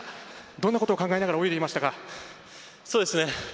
どんなことを考えながら泳いでいましたか？